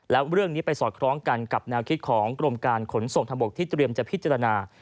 แล้วเรื่องนี้ไปสอดคล้องกันกับแนวคิดของกรมการขนส่งทางบกที่เตรียมจะพิจารณา